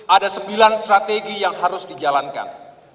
ada sembilan strategi yang harus dijalankan